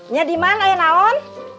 nih dimana ya naon